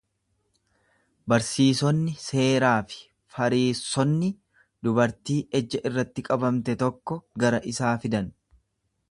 Barsiisonni seeraa fi Fariissonni dubartii ejja irratti qabamte tokko gara isaa fidan.